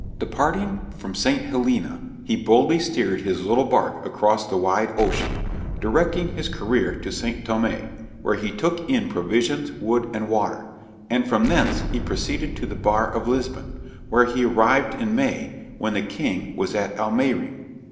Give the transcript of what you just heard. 'Departing from St. Helena, he boldly steered his little bark across the wide ocean, directing his career to St. Thomé, where he took in provisions, wood, and water; and from thence he proceeded to the bar of Lisbon, where he arrived in May, when the king was at Almeyrin.